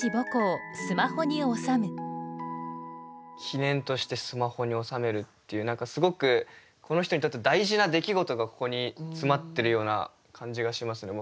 記念としてスマホに収めるっていう何かすごくこの人にとって大事な出来事がここに詰まってるような感じがしますね